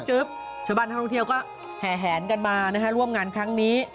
เฉพาะบ้านท่านท่องเที่ยวก็แห่แหนกันมานะฮะร่วมงานครั้งนี้